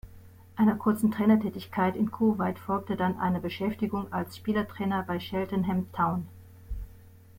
Einer kurzen Trainertätigkeit in Kuwait folgte dann eine Beschäftigung als Spielertrainer bei Cheltenham Town.